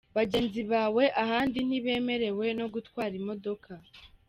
bagenzi bawe ahandi nti bemerewe no gutwara imodoka!.